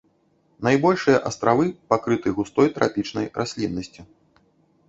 Найбольшыя астравы пакрыты густой трапічнай расліннасцю.